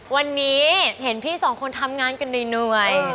วันนี้เห็นพี่สองคนทำงานกันเหนื่อย